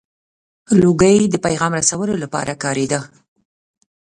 • لوګی د پیغام رسولو لپاره کارېده.